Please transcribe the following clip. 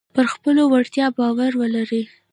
پر خپلو وړتیاو باور ولرئ.